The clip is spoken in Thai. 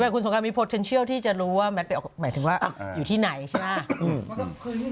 คุณสงการมีโปรเทนเชียลที่จะรู้ว่าแมทไปออกกำลังอยู่ที่ไหนใช่ไหม